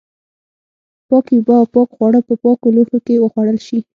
پاکې اوبه او پاک خواړه په پاکو لوښو کې وخوړل شي.